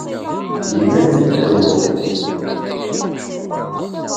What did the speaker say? Gma-nni ddaw-aw.